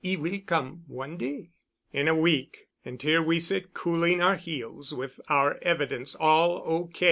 "'E will come one day——" "In a week—and here we sit cooling our heels with our evidence all O.